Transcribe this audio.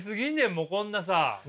もうこんなさ。